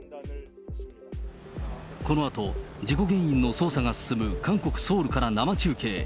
このあと、事故原因の捜査が進む韓国・ソウルから生中継。